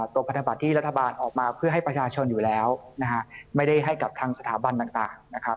พันธบัตรที่รัฐบาลออกมาเพื่อให้ประชาชนอยู่แล้วนะฮะไม่ได้ให้กับทางสถาบันต่างนะครับ